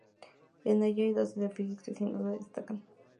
En ella hay dos edificios que sin duda destacan.